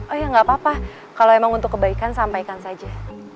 oh ya nggak apa apa kalau emang untuk kebaikan sampaikan saja